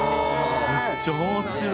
「めっちゃはまってる！